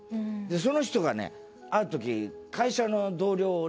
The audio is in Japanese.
その人がねある時会社の同僚をね